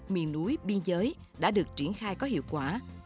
miền núi biên giới đã được triển khai có hiệu quả